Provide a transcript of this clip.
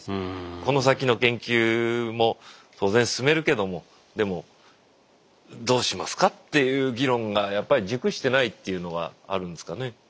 この先の研究も当然進めるけどもでもどうしますかっていう議論がやっぱり熟してないというのはあるんですかね。